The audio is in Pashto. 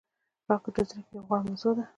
راکټ د زده کړې یوه غوره موضوع ده